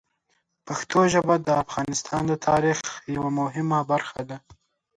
پښتو ژبه د افغانستان د تاریخ یوه مهمه برخه ده.